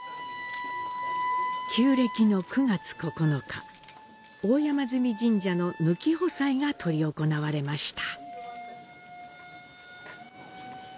旧暦の９月９日、大山祇神社の「抜穂祭」が執り行われました。